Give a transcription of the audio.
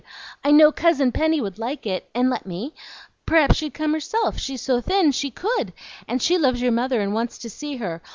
I know Cousin Penny would like it, and let me. P'r'aps she'd come herself; she's so thin, she could, and she loves your mother and wants to see her.